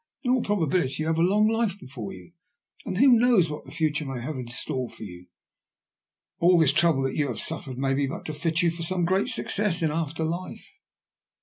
In all probability you have a long life before you ; and who knows what the future may have in store for you? All this trouble that you have suffered may be but to fit you for some great success in after life."